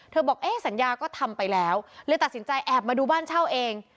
บอกเอ๊ะสัญญาก็ทำไปแล้วเลยตัดสินใจแอบมาดูบ้านเช่าเอง